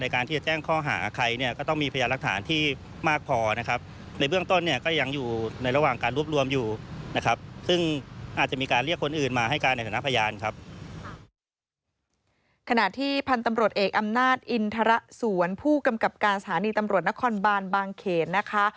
ขณะที่พันธุ์ตำรวจเอกอำนาจอินทรสวนผู้กำกับการสถานีตำรวจนครบานบางเขนนะคะ